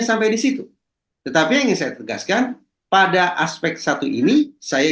apa yang terjadi tidak terjadinya